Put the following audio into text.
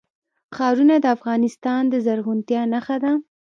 ښارونه د افغانستان د زرغونتیا نښه ده.